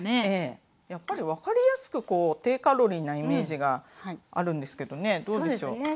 ええやっぱり分かりやすくこう低カロリーなイメージがあるんですけどねどうでしょう？